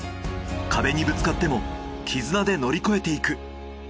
壁にぶつかっても絆で乗り越えていく。